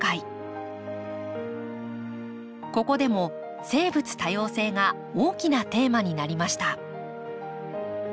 ここでも生物多様性が大きなテーマになりました。